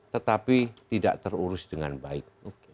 tetapi tidak terurus dengan baik